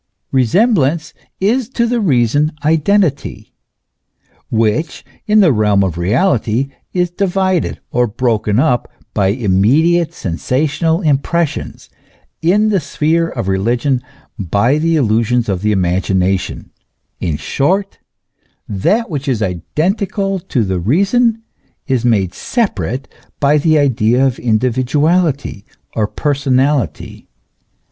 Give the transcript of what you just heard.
Resemblance is to the Reason identity, which in the realm of reality is divided or broken up by immediate sensational impressions, in the sphere of religion by the illusions of the imagination; in short, that which is identical to the reason is made separate by the idea of individuality or personality.